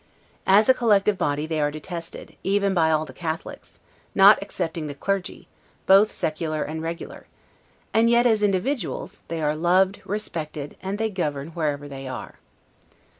As a collective body they are detested, even by all the Catholics, not excepting the clergy, both secular and regular, and yet, as individuals, they are loved, respected, and they govern wherever they are.